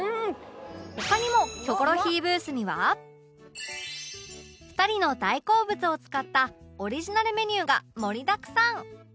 他にも『キョコロヒー』ブースには２人の大好物を使ったオリジナルメニューが盛りだくさん！